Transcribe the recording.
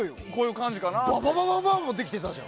バババババンもできてたじゃん。